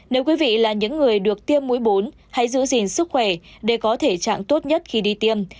nếu quý vị là những người được tiêm mũi bốn hãy giữ gìn sức khỏe để có thể trạng tốt nhất khi đi tiêm